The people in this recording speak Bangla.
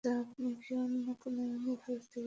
আচ্ছা, আপনি কি অন্য কোনো ইউনিভার্স থেকে এসেছেন?